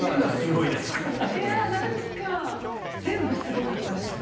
いやなんか全部すごかったですよ。